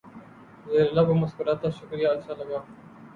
زیر لب وہ مسکراتا شکریہ اچھا لگا